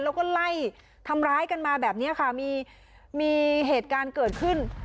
แล้วก็ไล่ทำร้ายกันมาแบบนี้ค่ะมีเหตุการณ์เกิดขึ้น